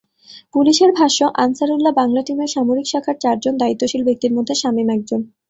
পুলিশের ভাষ্য, আনসারুল্লাহ বাংলা টিমের সামরিক শাখার চারজন দায়িত্বশীল ব্যক্তির মধ্যে শামীম একজন।